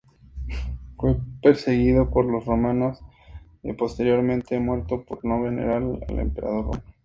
Fue perseguido por los romanos y posteriormente muerto por no venerar al emperador romano.